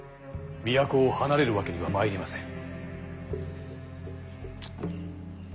都を離れるわけにはまいりません。